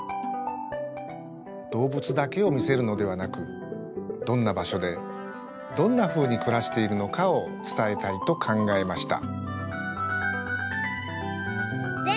動物だけをみせるのではなくどんなばしょでどんなふうにくらしているのかをつたえたいとかんがえました。